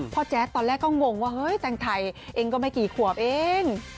แจ๊ดตอนแรกก็งงว่าเฮ้ยแต่งไทยเองก็ไม่กี่ขวบเอง